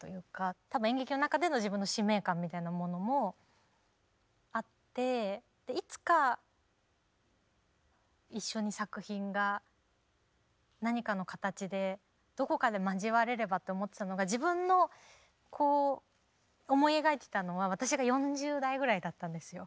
多分演劇の中での自分の使命感みたいなものもあっていつか一緒に作品が何かの形でどこかで交われればと思っていたのが自分のこう思い描いていたのは私が４０代ぐらいだったんですよ。